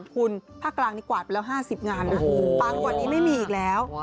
คุณภาคกลางนี่กวาดไปแล้ว๕๐งานนะปังกว่านี้ไม่มีอีกแล้ว